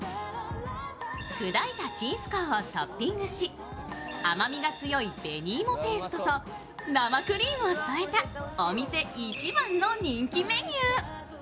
砕いたちんすこうをトッピングし甘みが強い紅芋ペーストと生クリームを添えたお店一番の人気メニュー。